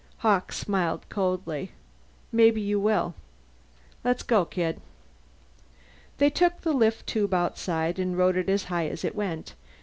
Hawkes smiled coldly. "Maybe you will. Let's go, kid." They took the lift tube outside and rode it as high as it went.